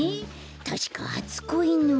たしかはつこいの。